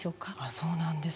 そうなんです。